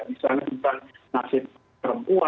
misalnya tentang nasib perempuan